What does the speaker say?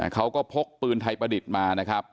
เขาก็พกปืนไทยประดิษฐ์มานะครับ